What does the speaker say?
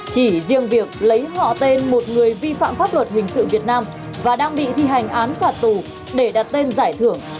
chỉ riêng việc lấy họ tên một người vi phạm pháp luật hình sự việt nam và đang bị thi hành án phạt tù để đặt tên giải thưởng